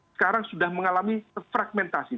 sekarang sudah mengalami fragmentasi